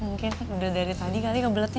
mungkin udah dari tadi kali kebeletnya